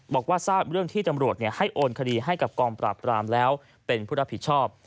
บอกว่าทราบเรื่องที่ตำรวจให้โอนคดีให้กับกองปราบรามแล้วเป็นผู้รับผิดชอบ